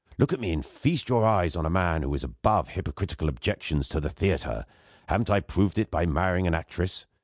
Look at me, and feast your eyes on a man who is above hypocritical objections to the theatre. Haven't I proved it by marrying an actress?